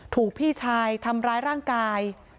ถูกพี่ชายทำร้ายร่างกาย